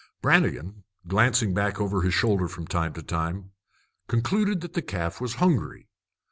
Brannigan, glancing back over his shoulder from time to time, concluded that the calf was hungry.